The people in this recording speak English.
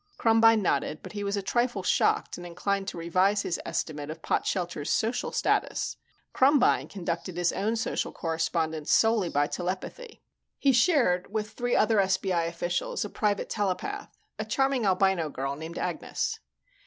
Krumbine nodded, but he was a trifle shocked and inclined to revise his estimate of Potshelter's social status. Krumbine conducted his own social correspondence solely by telepathy. He shared with three other SBI officials a private telepath a charming albino girl named Agnes.